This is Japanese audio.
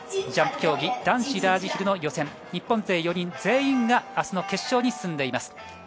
ジャンプ競技、男子ラージヒルの予選、日本勢４人全員が明日の決勝に進んでいます。